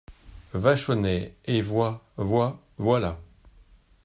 Vachonnet Et voi … voi … voilà !